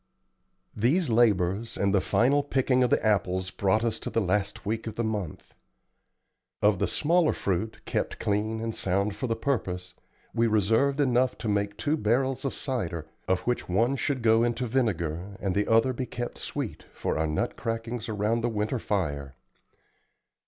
These labors and the final picking of the apples brought us to the last week of the month. Of the smaller fruit, kept clean and sound for the purpose, we reserved enough to make two barrels of cider, of which one should go into vinegar, and the other be kept sweet, for our nut crackings around the winter fire.